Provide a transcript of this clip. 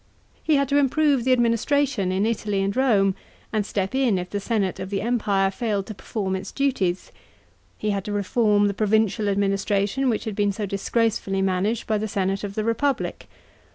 He had to improve the adminis 4tf THE FAMILY OF AUGUSTUS. CHAP. IV. tration in Italy and Rome, and step in if the senate of the Empire failed to perform its duties ; he had to reform the provincial administration which had been so disgracefully managed by the senate of the Republic.